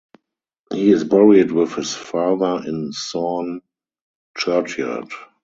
He is buried with his father in Sorn churchyard.